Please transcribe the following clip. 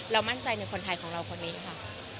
มั่นใจในคนไทยของเราคนนี้ค่ะ